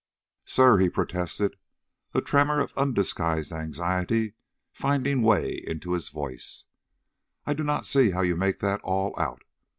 "Sir," he protested, a tremor of undisguised anxiety finding way into his voice, "I do not see how you make that all out.